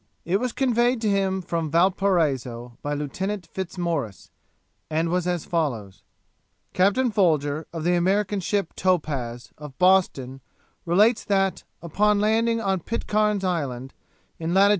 It was conveyed to him from Valparaiso by Lieutenant Fitzmaurice, and was as follows: 'Captain Folger, of the American ship Topaz, of Boston, relates that, upon landing on Pitcairn's Island, in lat.